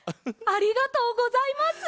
ありがとうございます。